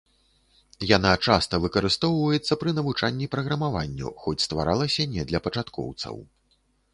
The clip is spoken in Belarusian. Яна часта выкарыстоўваецца пры навучанні праграмаванню, хоць стваралася не для пачаткоўцаў.